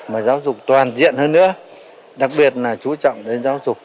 mà giáo dục toàn diện hơn nữa đặc biệt là chú trọng đến giáo dục